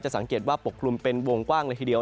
สังเกตว่าปกคลุมเป็นวงกว้างเลยทีเดียว